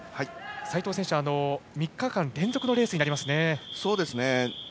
齋藤選手は３日間連続のレースになりますね。